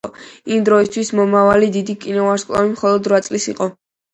იმ დროისათვის მომავალი დიდი კინოვარსკვლავი მხოლოდ რვა წლის იყო.